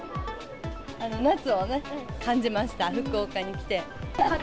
夏をね、感じました、福岡に来て。